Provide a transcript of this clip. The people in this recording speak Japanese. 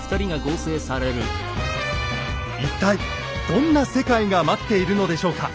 一体どんな世界が待っているのでしょうか？